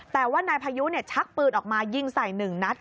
แต่ว่านายพายุชักปืนออกมายิงใส่๑นัด